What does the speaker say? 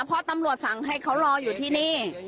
เพราะตำรวจสั่งให้เขารออยู่ที่นี่